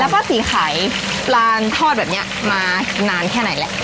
แล้วป๊าสีขายปลานทอดแบบนี้มานานแค่ไหนแหละ